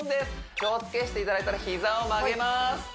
気をつけしていただいたら膝を曲げます